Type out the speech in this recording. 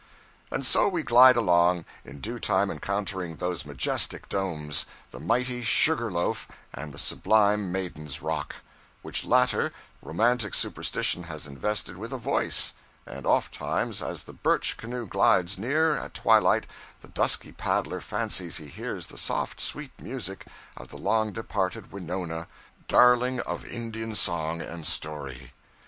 'And so we glide along; in due time encountering those majestic domes, the mighty Sugar Loaf, and the sublime Maiden's Rock which latter, romantic superstition has invested with a voice; and oft times as the birch canoe glides near, at twilight, the dusky paddler fancies he hears the soft sweet music of the long departed Winona, darling of Indian song and story.